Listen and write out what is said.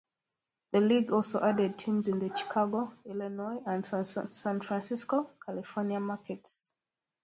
The league also added teams in the Chicago, Illinois and San Francisco, California markets.